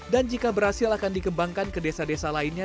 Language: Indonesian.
dan jika berhasil akan dikembangkan ke desa desa lainnya